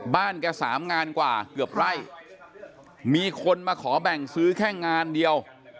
แกสามงานกว่าเกือบไร่มีคนมาขอแบ่งซื้อแค่งานเดียว